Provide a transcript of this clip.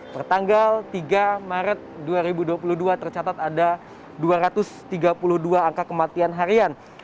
pertanggal tiga maret dua ribu dua puluh dua tercatat ada dua ratus tiga puluh dua angka kematian harian